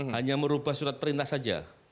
hanya merubah surat perintah saja